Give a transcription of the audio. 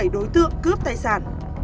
bảy đối tượng cướp tài sản